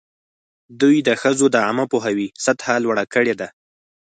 دوی د ښځو د عامه پوهاوي سطحه لوړه کړې ده.